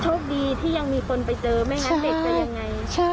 โชคดีที่ยังมีคนไปเจอไม่งั้นเด็กจะยังไง